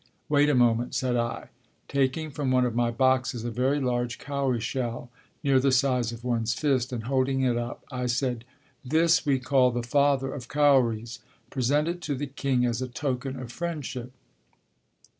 Wait a moment," said I. Taking from one of my boxes a very large cowrie shell, near the size of one's fist, and holding it up, I said, "This we call the father of cowries; present it to the king as a token of friendship."